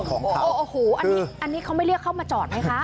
โอ้โหอันนี้เขาไม่เรียกเข้ามาจอดไหมคะ